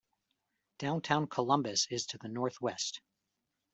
Downtown Columbus is to the northwest.